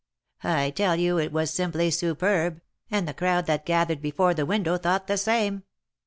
I tell you it was simply superb, and the crowd that gathered before the window thought the same.